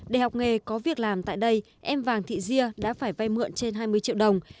để học nghề có việc làm tại đây em vàng thị diê đã phải vay mượn trên hai mươi triệu đồng